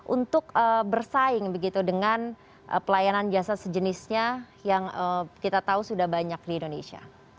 untuk bersaing begitu dengan pelayanan jasa sejenisnya yang kita tahu sudah banyak di indonesia